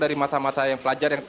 dari masa masa yang pelajar yang